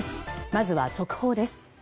まずは速報です。